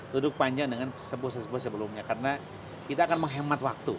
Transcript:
duduk panjang dengan sebuah serpo sebelumnya karena kita akan menghemat waktu